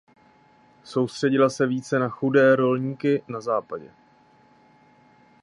Soustředila se více na chudé rolníky na západě.